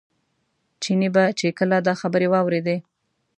چیني به چې کله دا خبرې واورېدې.